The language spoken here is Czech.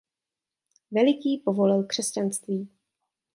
Veliký povolil křesťanství.